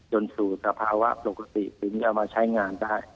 จนสู่สภาวะปกติกริมเธอมาใช้งานได้